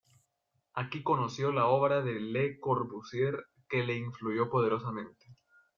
Aquí conoció la obra de Le Corbusier, que le influyó poderosamente.